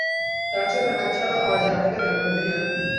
তার চোখে রাগ ছাড়াও আর যা থাকে তার নাম ঘৃণা।